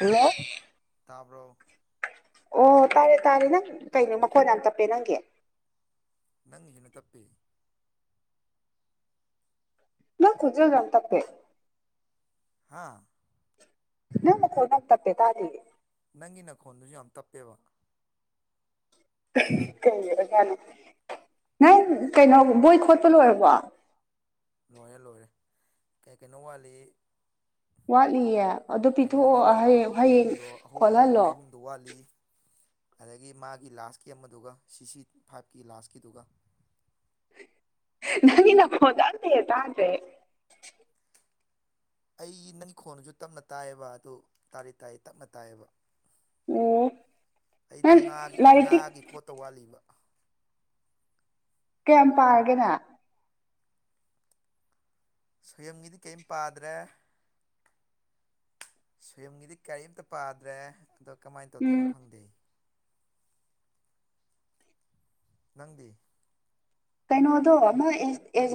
hello ꯇꯥꯕ꯭ꯔꯣ ꯑꯣ ꯇꯥꯔꯦ ꯇꯥꯔꯦ ꯅꯪ ꯀꯩꯅꯣ ꯃꯈꯣꯏ ꯌꯥꯝ ꯇꯞꯄꯦ ꯅꯪꯒꯤ ꯅꯪ ꯍꯦꯟꯅ ꯇꯞꯦ ꯅ ꯈꯣꯖꯣ ꯌꯥꯝ ꯇꯄꯦ ꯍꯥꯥ ꯅ ꯐꯣꯠꯒ ꯇꯄꯦ ꯇꯥꯗꯤꯒꯤ ꯅꯪꯒꯤ ꯅꯈꯣꯟꯗꯨꯁꯨ ꯌꯥꯝ ꯇꯞꯄꯦꯕ ꯀꯩꯔ ꯀꯅ ꯅꯪ ꯀꯩꯅꯣ ꯕꯣꯏ ꯈꯣꯠꯄ ꯂꯣꯏꯔꯕꯣ ꯂꯣꯏꯔꯦ ꯂꯣꯏꯔꯦ ꯀꯩ ꯀꯩꯅꯣ ꯋꯥꯠꯂꯤ ꯋꯥꯠꯂꯤꯌꯦ ꯑꯗꯨ ꯄꯤꯊꯣꯛꯑꯣ ꯍꯌꯦꯡ ꯈꯣꯠꯍꯜꯂꯣ ꯑꯗꯒꯤ ꯃꯥꯒꯤ ꯂꯥꯁꯀꯤ ꯑꯃꯗꯨꯒ ꯁꯤꯁꯤ ꯐꯥꯏꯚꯀꯤ ꯂꯥꯁꯀꯤꯗꯨꯒ ꯅꯅ ꯐꯣꯗ ꯇꯥꯖꯦ ꯑꯩꯒꯤ ꯅꯪꯒꯤ ꯈꯣꯟꯁꯨ ꯇꯞꯅ ꯇꯥꯏꯌꯦꯕ ꯑꯗꯨ ꯇꯥꯔꯦ ꯇꯥꯏ ꯇꯞꯅ ꯇꯥꯏꯌꯦꯕ ꯑꯩꯗꯣ ꯉꯥ ꯉꯥꯒꯤ ꯈꯣꯠꯇ ꯋꯥꯠꯂꯤꯕ ꯀꯌꯥꯝ ꯄꯥꯔꯒꯦꯅ ꯁꯣꯏꯌꯝꯒꯤꯗꯤ ꯀꯔꯤꯝ ꯄꯥꯗ꯭ꯔꯦ ꯁ꯭ꯌꯝꯒꯤꯗꯤ ꯀꯔꯤꯝꯇ ꯄꯥꯗ꯭ꯔꯦ ꯑꯗꯣ ꯀꯃꯥꯏꯅ ꯇꯧꯗꯣꯏꯅꯣ ꯈꯪꯗꯦ ꯅꯪꯗꯤ ꯀꯩꯅꯣꯗꯣ ꯑꯃ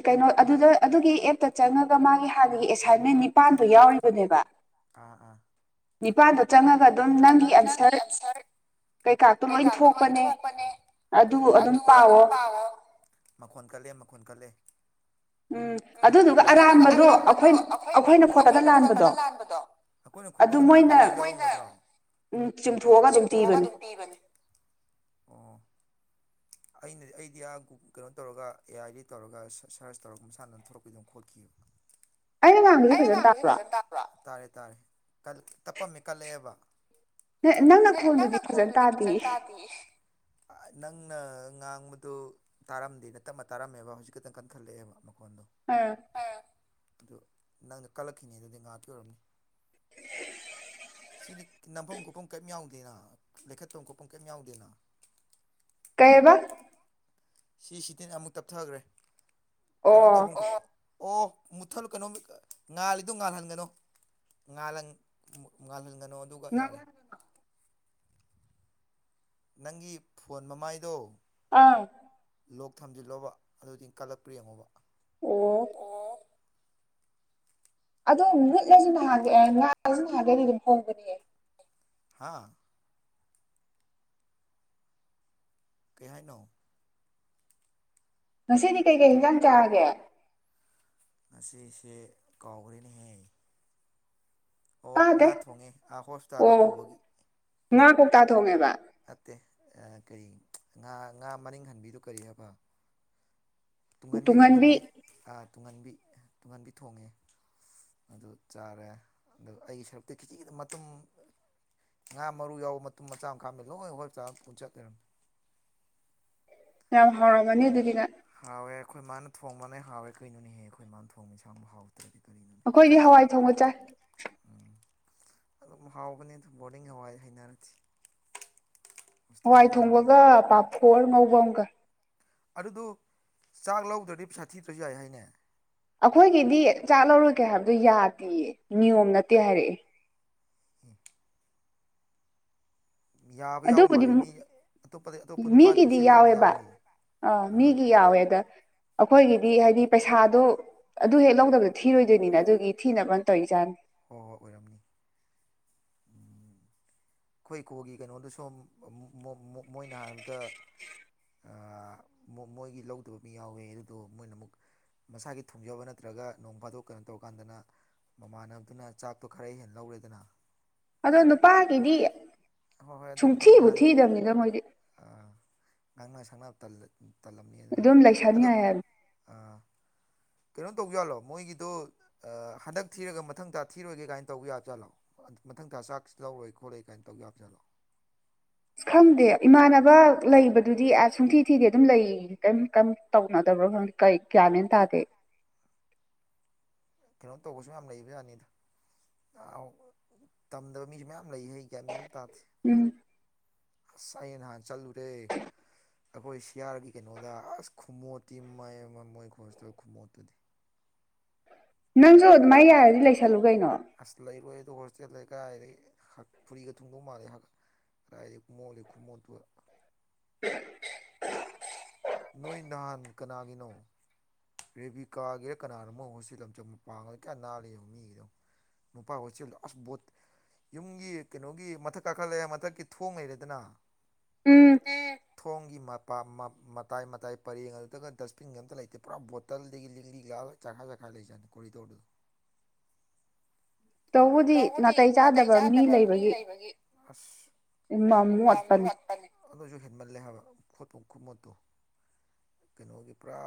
ꯀꯩꯅꯣ ꯑꯗꯨꯗ ꯑꯗꯨꯒꯤ ꯑꯦꯞꯇ ꯆꯪꯉꯒ ꯃꯥꯒꯤ ꯍꯥꯟꯅꯒꯤ ꯑꯦꯁꯥꯏꯟꯃꯦꯟꯅꯤ ꯅꯤꯄꯥꯟꯗꯣ ꯌꯥꯎꯔꯤꯕꯅꯦꯕ ꯑꯥ ꯑꯥ ꯅꯤꯄꯥꯜꯗꯣ ꯆꯪꯉꯒ ꯑꯗꯨꯝ ꯅꯪꯒꯤ ꯑꯟꯁꯔ ꯀꯩꯀꯥꯇꯣ ꯂꯣꯏ ꯊꯣꯛꯄꯅꯦ ꯑꯗꯨ ꯑꯗꯨꯝ ꯄꯥꯎꯑꯣꯣ ꯃꯈꯣꯟ ꯀꯠꯂꯦ ꯃꯈꯣꯟ ꯀꯠꯂꯦ ꯎꯝ ꯑꯗꯨꯗꯨꯒ ꯑꯔꯥꯟꯕꯗꯣ ꯑꯩꯈꯣꯏ ꯑꯩꯈꯣꯏꯅ ꯈꯣꯠꯠꯇꯅ ꯂꯥꯟꯕꯗꯣ ꯑꯩꯈꯣꯏꯅ ꯈꯨꯄꯗꯨ ꯂ ꯎꯝ ꯆꯨꯝꯊꯣꯛꯑꯒ ꯑꯗꯨꯝ ꯄꯤꯕꯅꯦ ꯑꯩꯅꯗꯤ ꯑꯩꯗꯤ ꯑꯥꯒꯨ ꯀꯩꯅꯣ ꯇꯧꯔꯒ ꯑꯦ ꯑꯥꯏ ꯗꯤ ꯇꯧꯔꯒ ꯁꯔꯁ ꯇꯧꯔꯒ ꯃꯁꯥꯟꯅ ꯑꯗꯨꯅ ꯊ ꯊꯣꯛꯂꯛꯄꯗꯧꯝ ꯈꯣꯠꯈꯤꯕꯑꯕ ꯑꯩꯅ ꯑꯉꯥꯡ ꯐꯖ꯭ꯔ ꯇꯥꯔꯦ ꯇꯥꯔꯦ ꯇꯞꯄꯝꯃꯦ ꯀꯜꯂꯛꯑꯦꯕ ꯅꯪꯅ ꯈꯣꯟꯗꯨꯗꯤ ꯐꯖꯅ ꯇꯥꯗꯦ ꯅꯪꯅ ꯉꯥꯡꯕꯗꯨ ꯇꯥꯔꯝꯗꯦꯅ ꯇꯞꯅ ꯇꯥꯔꯝꯃꯦꯕ ꯍꯧꯖꯤꯛ ꯛꯇꯪ ꯀꯟꯈꯠꯂꯛꯑꯦꯕ ꯃꯈꯣꯟꯗꯣ ꯑꯥ [inaudible] ꯑꯗꯨ ꯅꯪꯅ ꯀꯜꯂꯛꯈꯤꯅꯦ ꯑꯗꯨꯗꯤ ꯉꯥꯏꯍꯥꯛꯀꯤ ꯑꯣꯏꯔꯝꯅꯤ ꯁꯤꯔꯤ ꯅꯝꯐꯝ ꯀꯨꯞꯐꯝ ꯀꯔꯤꯝ ꯌꯥꯎꯗꯦꯅ ꯂꯩꯈꯠꯐꯝ ꯀꯨꯞꯐꯝ ꯀꯩꯝ ꯌꯥꯎꯗꯦꯅ ꯀꯩꯕ ꯁꯤ ꯁꯤꯇꯤꯟ ꯑꯃꯨꯛ ꯇꯞꯊꯈ꯭ꯔꯦ ꯀꯩꯅꯣ ꯇꯧꯐꯝ ꯑꯣ ꯃꯨꯠꯊꯠꯂꯛꯀꯅꯨ ꯉꯥꯜꯂꯤꯗꯣ ꯉꯥꯜꯍꯟꯒꯅꯣ ꯉꯥꯜ ꯉꯥꯜꯍꯟꯒ ꯩꯅꯣ ꯑꯗꯨꯒ ꯌꯥꯔꯦ ꯅꯪꯒꯤ ꯐꯣꯟ ꯃꯃꯥꯏꯗꯣ ꯑꯥ [inaudible] ꯂꯣꯛ ꯊꯝꯖꯤꯜꯂꯣꯕ ꯑꯗꯨꯗꯤ ꯀꯜꯂꯛꯄ꯭ꯔ ꯌꯦꯡꯉꯣꯕ ꯑꯣ [inaudible] ꯑꯗꯣ ꯃꯤꯠꯂꯁꯨ ꯅꯍꯒꯦ ꯑꯦ ꯉꯥꯜꯂꯁꯨ ꯅꯍꯥꯟꯒꯦ ꯑꯩꯗꯤ ꯑꯗꯨꯝ ꯍꯣꯡꯕꯅꯤꯌꯦ ꯍꯥꯥ [inaudible] [unintelligible] ꯀꯩ ꯍꯥꯏ ꯍꯥꯏꯅꯣ ꯉꯁꯤꯗꯤ ꯀꯩꯀꯩ ꯍꯛꯆꯥꯡ ꯆꯥꯔꯒꯦ ꯉꯁꯤꯁꯦ ꯀꯥꯎꯈ꯭ꯔꯦꯅꯦꯍꯦ ꯑꯣ ꯉꯥ ꯊꯣꯡꯉꯦ ꯑꯥ ꯍꯣꯁꯄꯤꯇꯥꯜꯗ ꯄꯨꯕꯒꯤ ꯉ ꯉꯥ ꯀꯧꯇꯥ ꯊꯣꯡꯉꯦꯕ ꯑꯠꯇꯦ ꯀꯔꯤ ꯉꯥ ꯉꯥ ꯃꯔꯤ ꯍꯟꯕꯤꯔꯣ ꯀꯔꯤ ꯍꯥꯏꯕ ꯇꯨꯡꯍꯟꯕꯤ ꯇꯨꯡꯍꯟꯕꯤ ꯇꯨꯡꯍꯟꯕꯤ ꯇꯨꯡꯍꯟꯕꯤ ꯊꯣꯡꯉꯦ ꯑꯗꯨ ꯆꯥꯔꯦ ꯑꯗꯨ ꯑꯩꯒꯤ ꯁꯔꯨꯇꯨ ꯈꯤꯖꯤꯛ ꯈꯤꯗ ꯃꯇ ꯉꯥ ꯃꯔꯨ ꯌꯥꯎꯕ ꯃꯇꯨꯝ ꯃꯆꯥ ꯑꯃꯥꯝ ꯂꯣꯏ ꯍꯣꯏ ꯆ ꯄꯨꯟꯁꯠ ꯂꯩꯔꯝꯃꯦ ꯌꯥꯝ ꯍꯔꯃꯅꯤ ꯑꯗꯨꯗꯤꯅ ꯍꯥꯎꯋꯦ ꯑꯩꯈꯣꯏ ꯃꯥꯅ ꯊꯣꯡꯕꯅ ꯍꯥꯎꯋꯦ ꯀꯩꯅꯣꯅꯦꯍꯦ ꯑꯩꯈꯣꯏ ꯃꯥꯅ ꯊꯣꯡꯕꯁꯥꯡꯅ ꯍꯥꯎꯗ꯭ꯔꯗꯤ ꯀꯔꯤ ꯑꯩꯈꯣꯏꯗꯤ ꯍꯋꯥꯏ ꯊꯣꯡꯕ ꯆꯥꯏ ꯑꯗꯨꯝ ꯍꯥꯎꯒꯅꯤ ꯑꯗꯨꯝ ꯕꯣꯔꯗꯤꯡ ꯍꯋꯥꯏ ꯍꯥꯏꯩꯅꯔꯗꯤ ꯍꯋꯥꯏ ꯊꯣꯡꯕꯒ ꯄꯥꯐꯣꯔ ꯃꯎꯧꯕꯝꯒ ꯑꯗꯨꯗꯨ ꯆꯥꯛ ꯂꯧꯗ꯭ꯔꯗꯤ ꯄꯩꯁꯥ ꯊꯤꯗ꯭ꯔꯁꯨ ꯌꯥꯏ ꯍꯥꯏꯅꯦ ꯑꯩꯈꯣꯏꯒꯤꯗꯤ ꯆꯥꯛ ꯂꯧꯔꯣꯏꯒꯦ ꯍꯥꯏꯕꯗꯣ ꯌꯥꯗꯦꯌꯦ ꯅꯤꯌꯣꯝ ꯅꯠꯇꯦ ꯍꯥꯏꯔꯛꯑꯦ ꯌꯥꯕ ꯌꯥꯎꯕ ꯃꯥꯂꯦ ꯃꯤ ꯃꯤꯒꯤꯗꯤ ꯌꯥꯎꯋꯦꯕ ꯑ ꯃꯤꯒꯤ ꯌꯥꯎꯋꯦꯗ ꯑꯩꯈꯣꯏꯒꯤꯗꯤ ꯍꯥꯏꯗꯤ ꯄꯩꯁꯥꯗꯣ ꯑꯗꯨ ꯍꯦꯛ ꯂꯧꯗꯕꯣ ꯊꯤꯔꯣꯏꯗꯣꯏꯅꯤꯅꯦ ꯑꯗꯨꯒꯤ ꯊꯤꯅꯕꯅ ꯇꯧꯔꯤꯖꯥꯅꯤ ꯍꯣꯏ ꯍꯣꯏ ꯑꯣꯏꯔꯝꯅꯤ ꯑꯟꯑꯣꯗꯤꯕꯜ ꯑꯩꯈꯣꯏ ꯀꯣꯜꯒꯤ ꯀꯩꯅꯣꯗꯨ ꯁ ꯃꯣꯏꯅ ꯍꯥꯏꯔꯕꯗ ꯑ ꯃꯣ ꯃꯣꯏꯒꯤ ꯂꯧꯗꯕ ꯃꯤ ꯌꯥꯎꯋꯦ ꯑꯗꯨꯗꯣ ꯃꯣꯏꯅ ꯑꯃꯨꯛ ꯃꯁꯥꯒꯤ ꯊꯣꯡꯖꯕ ꯅꯠꯇ꯭ꯔꯒ ꯅꯣꯡ ꯐꯥꯗꯣꯛ ꯀꯩꯅꯣ ꯇꯧꯔꯀꯥꯟꯗꯅ ꯃꯃꯥꯅ ꯑꯗꯨꯅ ꯆꯥꯛꯇꯣ ꯈꯔ ꯍꯦ ꯂꯧꯔꯦꯗꯅ ꯑꯗꯣ ꯅꯨ ꯄꯥꯒꯤꯗꯤ ꯁꯨꯡꯊꯤꯕꯨ ꯊꯤꯗꯕꯅꯤꯅ ꯃꯣꯏꯗꯤ ꯊꯪꯅꯥ ꯇꯜꯂꯝꯃꯤ ꯑꯗꯨꯅꯅꯤ ꯑꯗꯣ ꯑꯟꯑꯣꯗꯤꯕꯜ ꯀꯩꯅꯣ ꯇꯧꯕ ꯖꯥꯠꯂꯣ ꯃꯣꯏꯒꯤꯗꯨꯣ ꯍꯟꯗꯛ ꯊꯤꯔꯒ ꯃꯊꯪ ꯇꯥ ꯊꯤꯔꯣꯏꯒꯦ ꯀꯥꯏꯅ ꯇꯧꯕ ꯌꯥꯠꯁꯨꯖꯥꯠꯂꯣ ꯃꯊꯪ ꯊꯥ ꯆꯥꯛꯁꯤ ꯂꯧꯔꯣꯏ ꯈꯣꯠꯂꯛꯏ ꯀꯥꯏꯅ ꯇꯧ ꯌꯥꯁꯤꯜꯠꯂꯛ ꯑꯁ ꯈꯪꯗꯦ ꯏꯃꯥꯟꯅꯕ ꯂꯩꯕꯗꯨꯗꯤ ꯑꯁ ꯁꯨꯡꯊꯤ ꯊꯤꯗꯦ ꯑꯗꯨꯝ ꯂꯩ ꯀ ꯀ ꯇꯧꯅꯗꯕ ꯀ ꯀꯌꯥꯃꯦꯟ ꯇꯥꯗꯦ ꯑꯩ ꯀꯩꯅꯣ ꯇꯧꯕꯁꯨ ꯌꯥꯝ ꯂꯩꯕ ꯖꯥꯅꯤꯗ ꯇꯝꯗꯕ ꯃꯤꯁꯨ ꯃꯌꯥꯝ ꯂꯩꯍꯩ ꯀꯌꯥ ꯃꯤꯅꯝ ꯇꯥꯗꯦ ꯑꯁ ꯑꯩꯅ ꯅꯍꯥꯟ ꯆꯠꯂꯨꯔꯦ ꯑꯩꯈꯣꯏ ꯁꯤꯌꯥꯔꯒꯤ ꯀꯩꯅꯣꯗ ꯑꯁ ꯈꯨꯃꯣꯠꯇꯤ ꯃꯥꯏ ꯑꯃ ꯃꯣꯏ ꯈꯣꯁꯇꯜ ꯈꯨꯃꯣꯠꯇꯨꯗꯤ ꯅꯪꯁꯨ ꯑꯗꯨꯃꯥꯏꯅ ꯌꯥꯔꯗꯤ ꯂꯩꯁꯜꯂꯨ ꯀꯩꯅꯣ ꯇ ꯍꯣ ꯆꯦꯂꯦ ꯀꯥꯏꯗꯩ ꯐꯨꯔꯤꯒ ꯊꯨꯡꯗꯧ ꯃꯥꯜꯂꯦ ꯍꯥꯒ ꯔꯥꯏꯗꯤ ꯀꯨꯝꯃꯣꯂꯤ ꯈꯨꯝꯃꯣꯠ ꯑꯟꯑꯣꯗꯤꯕꯜ ꯅꯣꯏ ꯅꯍꯥꯟ ꯀꯅꯥꯒꯤꯅꯣ ꯔꯦꯕꯤꯀꯥꯒꯤꯔ ꯀꯅꯥꯅꯣ ꯉꯁꯤ ꯂꯝꯆꯝ ꯃꯄꯥꯡꯒꯗ ꯀꯌꯥ ꯅꯥꯜꯂꯤꯕ ꯃꯤꯒꯤꯅꯣ ꯅꯨꯄꯥ ꯑꯣꯏꯁ ꯑꯁ ꯕꯣꯠ ꯌꯨꯝꯒꯤ ꯀꯩꯅꯣꯒꯤ ꯃꯊꯛ ꯀꯥꯈꯠꯂꯦ ꯃꯊꯛꯀꯤ ꯊꯣꯡ ꯂꯩꯩꯔꯦꯗꯅ ꯎꯝ ꯈꯣꯡꯒꯤ ꯃꯄꯥ ꯃꯇꯥꯏ ꯃꯇꯥꯏ ꯄꯔꯦꯡ ꯑꯗꯨꯒ ꯗꯁꯕꯤꯟꯒꯤ ꯑꯝꯇ ꯂꯩꯇꯦ ꯄꯨꯔꯥ ꯕꯣꯇꯜꯗꯒꯤ ꯂꯤꯛꯂꯤꯒ ꯆꯈꯥꯏ ꯆꯥꯏꯈꯥꯏ ꯂꯩꯖꯥꯅꯤ ꯀꯣꯔꯤꯗꯧ ꯑꯟꯑꯣꯗꯤꯕꯜ ꯇꯧꯕꯨꯗꯤ ꯅꯥꯇꯩ ꯆꯥꯗꯕ ꯃꯤ ꯂꯩꯕꯒꯤ ꯑꯗꯨꯁꯨ ꯍꯦꯟꯃꯜꯂꯦ ꯍꯥꯏꯕ ꯈꯣꯠꯄ ꯈꯨꯃꯣꯠꯇꯨ ꯀꯩꯅꯣꯒꯤ ꯄꯨꯔꯥ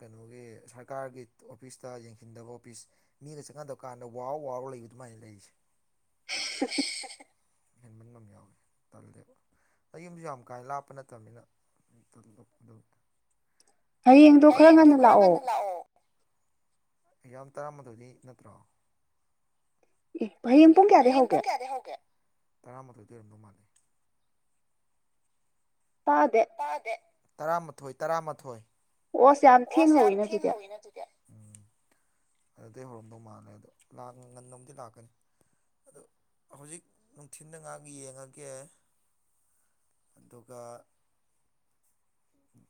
ꯀꯩꯅꯣꯒꯤ ꯁꯔꯀꯥꯔꯒꯤ ꯑꯣꯐꯤꯁꯇ ꯌꯦꯡꯁꯤꯟꯗꯕ ꯑꯣꯐꯤꯁ ꯃꯤꯒ ꯆꯪꯅꯗꯕ ꯀꯥꯟꯗ ꯋꯥꯎꯔ ꯋꯥꯎꯔ ꯂꯩꯕꯗ ꯑꯗꯨꯨꯃꯥꯏꯅ ꯂꯩꯁꯦ ꯍꯝꯍꯝ ꯍꯦꯟꯃꯟ ꯑꯃ ꯌꯥꯎꯋꯤ ꯇꯜꯂꯦꯕ ꯑꯩ ꯌꯨꯝꯁꯨ ꯌꯥꯝ ꯀꯥ ꯍꯦꯟꯅ ꯂꯥꯞꯄ ꯅꯠꯇꯕꯅꯤꯅ ꯍꯌꯦꯡꯗꯣ ꯈꯔ ꯉꯟꯅ ꯂꯥꯛꯑꯣ ꯌꯥꯝ ꯇꯔꯥꯃꯗꯣꯏꯅꯤ ꯅꯠꯇ꯭ꯔꯣ ꯑꯦ ꯍꯌꯦꯡ ꯄꯨꯡ ꯀꯌꯥꯗꯩ ꯍꯧꯒꯦ ꯇꯔꯥꯃꯥꯊꯣꯏꯗꯤ ꯂꯩꯔꯝꯗꯧ ꯃꯥꯜꯂꯤ ꯇꯥꯗꯦ ꯇꯔꯥꯃꯥꯊꯣꯏ ꯇꯔꯥꯃꯥꯊꯣꯏ ꯑꯣꯁ ꯌꯥꯝ ꯊꯦꯡꯅ ꯍꯧꯌꯦꯅ ꯑꯗꯨꯗꯩ ꯍꯧꯔꯝꯗꯧ ꯃꯥꯜꯂꯦ ꯑꯗꯣ ꯉꯟꯅꯣꯝꯗꯤ ꯂꯥꯛꯀꯅꯤ ꯑꯗꯨ ꯍꯧꯖꯤꯛ ꯅꯨꯡꯊꯤꯟꯗ ꯉꯥꯏꯍꯥꯛ ꯌꯦꯡꯉꯒꯦ ꯑꯗꯨꯒ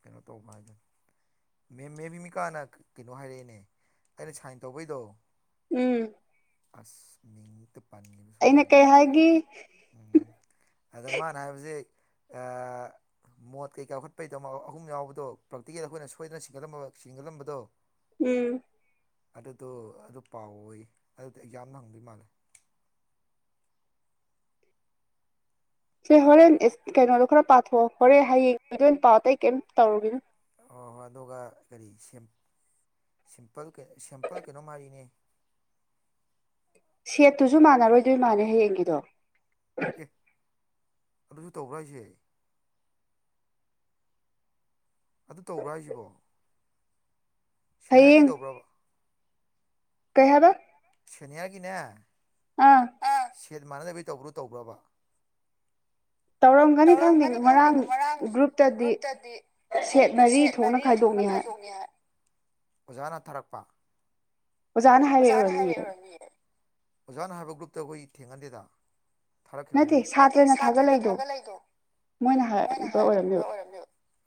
ꯀꯩꯅꯣ ꯇꯧꯕ ꯍꯥꯏꯗꯅ ꯃꯦ ꯃꯦꯕꯤ ꯃꯤꯀꯥꯅ ꯀꯩꯅꯣ ꯍꯥꯏꯔꯛꯏꯅꯦ ꯑꯩꯅ ꯁꯥꯏꯟ ꯇꯧꯕꯩꯗꯣ ꯎꯝ ꯑꯁꯃꯤ ꯇ ꯑꯩꯅ ꯀꯩ ꯍꯥꯏꯒ ꯃꯣꯠ ꯀꯩꯀꯥꯈꯠꯄꯩꯗꯣ ꯑꯍꯨꯝ ꯌꯥꯎꯕꯗꯣ ꯄ꯭ꯔꯥꯛꯇꯤꯀꯦꯜ ꯑꯩꯈꯣꯏꯅ ꯁ ꯑꯩꯈꯣꯏꯗꯅ ꯁꯤꯡꯒꯠꯂꯝꯕ ꯁꯤꯡꯒꯠꯂꯝꯕꯗꯣ ꯎꯝ ꯑꯗꯨꯗꯣ ꯑꯗꯨ ꯄꯥꯎꯋꯏ ꯑꯗꯨꯗ ꯑꯦꯛꯖꯥꯝꯅ ꯍꯪꯗꯣꯏ ꯃꯥꯜꯂꯦ ꯁ ꯍꯣꯔꯦꯟ ꯑꯦ ꯀꯩꯅꯣꯗꯣ ꯈꯔ ꯄꯥꯊꯣꯛꯑꯣ ꯍꯣꯔꯦꯟ ꯍꯌꯦꯡꯗ ꯑꯣꯏꯅ ꯄꯥꯎ ꯑꯇꯩ ꯀꯩꯝ ꯇꯧꯔꯨꯒꯦꯅꯣ ꯍꯣꯏ ꯍꯣꯏ ꯑꯗꯨꯒ ꯀꯔꯤ ꯁꯦꯝ ꯁꯤꯄꯜ ꯁꯤꯝꯄꯜ ꯀꯩꯅꯣ ꯃꯥꯔꯤꯅꯦ ꯁꯦꯠꯇꯨꯁꯨ ꯃꯥꯟꯅꯔꯣꯏꯗꯣꯏ ꯃꯥꯥꯟꯅꯦ ꯍꯌꯦꯡꯒꯤꯗꯣ ꯑꯦ ꯑꯗꯨꯁꯨ ꯇꯧꯕ꯭ꯔꯥ ꯍꯥꯏꯁꯦ ꯑꯗꯨ ꯇꯧꯕ꯭ꯔꯥ ꯍꯥꯏꯁꯤꯕꯣ ꯁꯦꯅꯤꯌꯥꯔꯒꯤ ꯇꯧꯕ꯭ꯔꯕ ꯀꯌꯥꯕ ꯁꯨꯅꯤꯌꯥꯒꯤꯅꯦ ꯑꯥ ꯁꯦꯠ ꯃꯥꯟꯅꯗꯅꯕꯩ ꯇꯧꯕ꯭ꯔꯣ ꯇꯧꯕ꯭ꯔꯕ ꯇꯧꯔꯝꯒꯅꯤ ꯈꯪꯗꯦ ꯉꯔꯥꯡ ꯒ꯭ꯔꯨꯞꯇꯗꯤ ꯁꯦꯠ ꯃꯔꯤ ꯊꯣꯛꯅ ꯈꯥꯏꯗꯣꯛꯅꯤ ꯍꯥꯏ ꯑꯣꯖꯥꯅ ꯊꯥꯔꯛꯄ ꯑꯣꯖꯥꯅ ꯍꯥꯏꯔꯛꯎꯨꯔꯃꯤꯌꯦ ꯑꯣꯖꯥꯅ ꯍꯥꯏꯕ ꯒ꯭ꯔꯨꯞꯇ ꯑꯩꯈꯣꯏ ꯊꯦꯡꯍꯟꯗꯦꯗ ꯊꯥꯔꯛꯈꯤꯕꯅꯤꯠꯇꯇ꯭ꯔ ꯃꯣꯏꯅ ꯍꯥꯏꯕ ꯑꯣꯏꯔꯝꯅꯦꯕ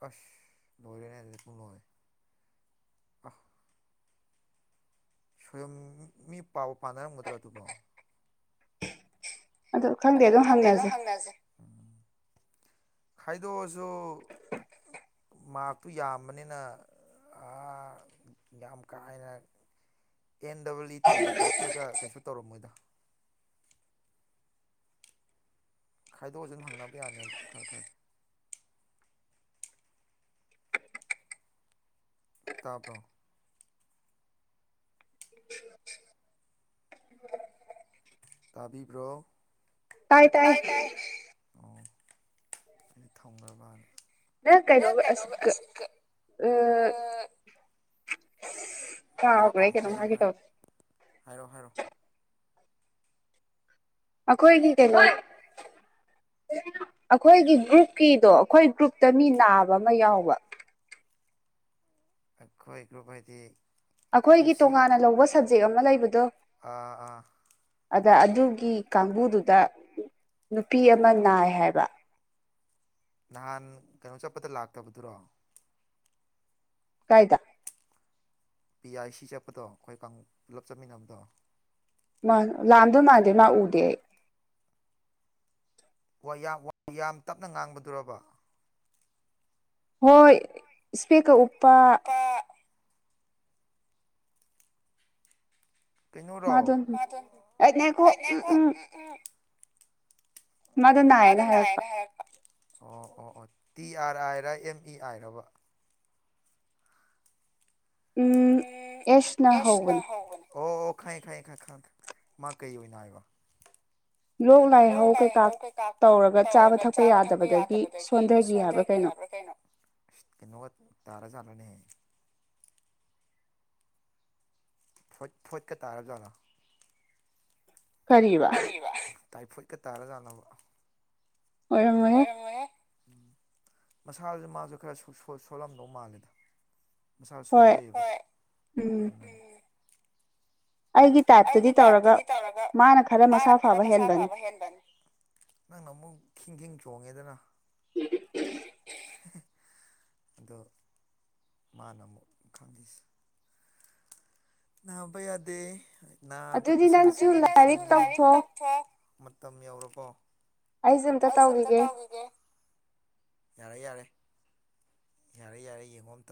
ꯑꯁ ꯕꯣꯔꯅꯦ ꯄꯨꯨꯡꯅꯣꯅꯦ ꯑ ꯁꯣꯏꯨꯝ ꯃꯤ ꯄꯥꯎꯕ ꯄꯥꯟꯅꯔꯝꯒꯗ꯭ꯔꯣ ꯑꯗꯨꯕꯨꯣ ꯑ ꯈꯪꯗꯦ ꯑꯗꯨꯝ ꯍꯪꯅꯁꯦ ꯈꯥꯏꯗꯣꯛꯑꯁꯨ ꯃꯥꯔꯛꯇꯨ ꯌꯥꯝꯕꯅꯤꯅ ꯑꯥ ꯌꯥꯝ ꯌꯥꯝ ꯀꯥꯏꯥꯏꯟꯅ ꯑꯦꯟ ꯗꯕꯜ ꯏ ꯇꯤꯒꯤ ꯇꯥꯏꯞꯇꯒ ꯀꯩꯅꯁꯨꯣ ꯇꯧꯔꯝꯃꯣꯏꯗ ꯈꯥꯏꯗꯣꯛꯑꯁꯤꯝ ꯍꯪꯅꯕ ꯌꯥꯅꯦꯕ ꯈꯔ ꯈꯪꯉꯦ ꯇꯥꯕꯣ [unintelligible] ꯇꯥꯕꯤꯕ꯭ꯔꯣ ꯇꯥꯏ ꯇꯥꯏ ꯑꯣ ꯑꯩ ꯊꯧꯗꯕ ꯅ ꯀꯩꯅꯩꯅꯣ ꯁꯤ ꯎ ꯀꯔꯤ ꯀꯔꯤ ꯍꯥꯏꯔꯣ ꯍꯥꯏꯔꯣ ꯍꯥꯏꯔꯛꯑꯣ ꯍꯥꯏꯔꯛꯑꯣ ꯑꯈꯣꯏ ꯀ ꯀꯅꯤ ꯑꯩꯈꯣꯏꯒꯤ ꯒ꯭ꯔꯨꯞꯀꯤꯗꯣ ꯑꯩꯈꯣꯏ ꯒ꯭ꯔꯨꯞꯇ ꯃꯤ ꯅꯥꯕ ꯑꯃ ꯌꯥꯎꯕ ꯑꯩꯈꯣꯏ ꯒ꯭ꯔꯨꯞꯕ ꯍꯥꯏꯗꯤ ꯑꯩꯈꯣꯏꯒꯤ ꯇꯣꯉꯥꯟꯅ ꯂꯧꯕ ꯁꯕꯖꯦꯛ ꯑꯃ ꯂꯩꯕꯗꯣ ꯑꯥ ꯑꯥ ꯑꯗ ꯑꯗꯨꯒꯤ ꯀꯥꯡꯕꯨꯗꯨꯗ ꯅꯨꯄꯤ ꯑꯃ ꯅꯥꯏ ꯍꯥꯏꯕ ꯅꯍꯥꯟ ꯀꯩꯅꯣ ꯆꯠꯄꯗ ꯂꯥꯛꯇꯕꯗꯨꯔꯣ ꯀꯥꯏꯗ ꯄꯤ ꯑꯥꯏ ꯁꯤ ꯆꯠꯄꯗꯣ ꯑꯩꯈꯣꯏ ꯄꯨꯂꯞ ꯆꯠꯃꯤꯟꯅꯕꯗꯣ ꯃꯥ ꯂꯥꯟꯗꯣꯏ ꯃꯥꯟꯗꯦ ꯃꯥ ꯎꯗꯦ ꯑꯩ ꯌꯥꯝ ꯇꯞꯅ ꯉꯥꯡꯕꯗꯨꯔꯕ ꯍꯣꯏ ꯏꯄꯤꯀ ꯎꯞꯄꯥ ꯉꯣꯔꯣ ꯎꯝ ꯃꯗꯨ ꯅ ꯍꯥꯏꯅ ꯍꯥꯏꯄ ꯑꯣ ꯑꯣ ꯑꯣ ꯇꯤ ꯑꯥꯔ ꯑꯥꯏꯔ ꯑꯦꯝ ꯏ ꯑꯥꯏꯔꯕ ꯎꯝ ꯌꯦꯁ ꯅ ꯍꯒꯅꯦ ꯑꯣ ꯑꯣ ꯈꯪ ꯈꯌꯦ ꯈꯥꯏ ꯈꯪ ꯈ ꯃꯥ ꯀꯩ ꯣ ꯍꯥꯏꯥꯏꯕ ꯂꯣ ꯂꯑ ꯍꯎ ꯀꯩ ꯀꯥ ꯥꯛ ꯇꯧꯔꯒ ꯆꯥꯕ ꯊꯛꯄ ꯌꯥꯗꯕꯗꯒꯤ ꯁꯣꯟꯊꯈꯤ ꯍꯥꯏꯕ꯭ꯔꯥ ꯀꯩꯅꯣ ꯀꯩꯅꯣ ꯇꯥꯔꯥꯖꯥꯠꯂꯅꯦꯍꯦ ꯐꯣꯏ ꯐꯣꯠꯀ ꯇꯥꯔꯕ ꯖꯥꯠꯂ ꯀꯔꯤꯕ ꯇꯥꯏꯐꯣꯠꯀ ꯇꯥꯔꯖꯥꯂꯕ ꯑꯣꯏꯔꯝꯃꯣꯏꯍꯦ ꯎꯝ ꯃꯁꯥꯥꯖꯦ ꯃꯥꯁꯨ ꯈꯔ ꯁꯣ ꯁꯣ ꯁꯣꯜꯂꯝꯗꯧ ꯃꯥꯜꯂꯦꯗ ꯃꯁꯥ ꯁꯣꯟꯖꯩꯌꯦꯕ ꯑꯗꯨꯅ ꯑꯩꯒꯤ ꯇꯥꯏꯞꯇꯗꯤ ꯇꯧꯔꯒ ꯃꯥꯅ ꯈꯔ ꯃꯁꯥ ꯐꯕ ꯍꯦꯟꯕꯅꯤ ꯅꯪꯅ ꯑꯃꯨꯛ ꯈꯤꯡ ꯈꯤꯡ ꯆꯣꯡꯉꯦꯗꯅ [unintelligible] ꯑꯗꯣ ꯃꯥꯅ ꯑꯃꯨꯛ ꯈꯪꯗꯦꯁꯦ ꯅꯥꯕ ꯌꯥꯗꯦ ꯅꯥꯕꯗ ꯄꯩꯁꯥ ꯑꯗꯨꯗꯤ ꯅꯪꯁꯨ ꯂꯥꯏꯔꯤꯛ ꯇꯧꯊꯣꯛꯑꯣ ꯃꯇꯝ ꯌꯧꯔꯕꯣ ꯑꯩ ꯁꯤꯝꯇ ꯇꯧꯒꯤꯒꯦ ꯌꯥꯔꯦ ꯌꯥꯔꯦ ꯌꯥꯔꯦ ꯌꯥꯔꯦ ꯌꯦꯡꯉꯣ ꯑꯝꯇ